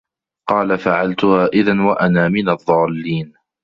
قالَ فَعَلتُها إِذًا وَأَنا مِنَ الضّالّينَ